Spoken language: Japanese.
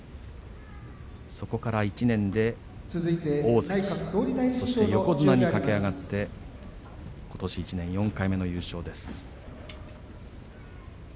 そこから１年で大関そして横綱に駆け上がってことし１年、４回目の優勝です。